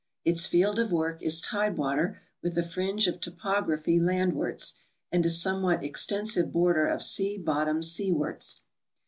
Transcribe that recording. Its field of work is tidewater with a fringe of topography land wards and a somewhat extensive border of sea bottom seawards.